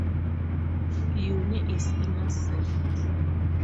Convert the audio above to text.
Unni is innocent.